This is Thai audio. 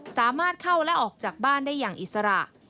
สามารถเข้าและออกจากบ้านได้อย่างอิสระ